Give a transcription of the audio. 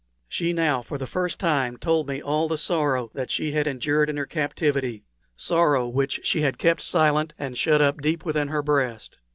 She now for the first time told me all the sorrow that she had endured in her captivity sorrow which she had kept silent and shut up deep within her breast.